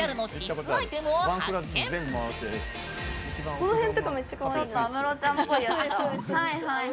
この辺とかめっちゃかわいいんですよ。